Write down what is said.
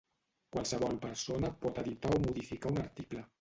Qualsevol persona pot editar o modificar un article.